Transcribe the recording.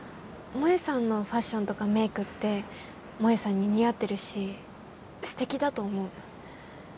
萌さんのファッションとかメイクって萌さんに似合ってるし素敵だと思う。